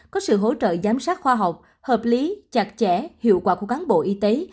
có sự hỗ trợ giám sát khoa học hợp lý chặt chẽ hiệu quả của cán bộ y tế